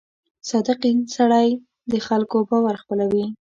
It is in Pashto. • صادق سړی د خلکو باور خپلوي.